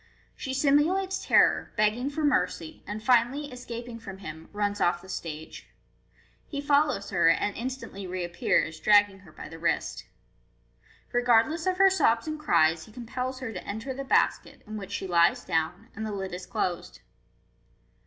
She simulates terror, begging for mercy, and finally escaping from him, runs off the stage. He follows her, and instantly reappears, dragging her by the wrist Regardless of her sobs and cries, he com pels her to enter the basket, in which she lies down, and ihe lid is closed.